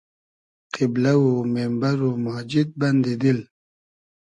قیبلۂ و میمبئر و ماجید بئندی دیل